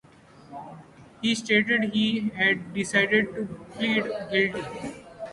He stated he had decided to plead guilty.